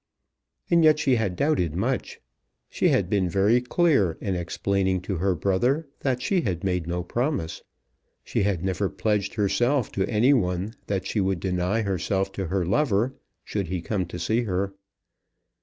And yet she had doubted much. She had been very clear in explaining to her brother that she had made no promise. She had never pledged herself to any one that she would deny herself to her lover should he come to see her.